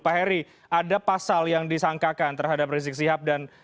pak heri ada pasal yang disangkakan terhadap rizik sihab dan